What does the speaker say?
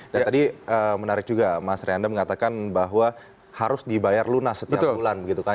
dan tadi menarik juga mas ray anda mengatakan bahwa harus dibayar lunas setiap bulan